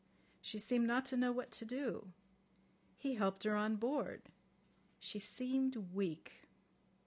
She seemed not to know what to do. He helped her on board. She seemed weak."